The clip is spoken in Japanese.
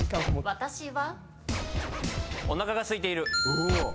私は。